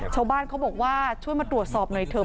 ชาวบ้านเขาบอกว่าช่วยมาตรวจสอบหน่อยเถอะ